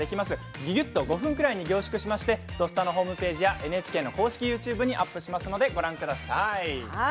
ぎゅぎゅっと５分くらいに凝縮して「土スタ」のホームページやＮＨＫ公式ＹｏｕＴｕｂｅにアップしますのでご覧ください。